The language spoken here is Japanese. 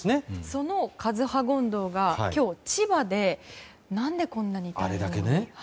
そのカズハゴンドウが今日、千葉で何で、こんなに大量に。